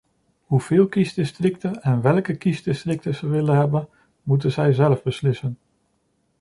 Hoeveel kiesdistricten en welke kiesdistricten zij willen hebben, moeten zij zelf beslissen.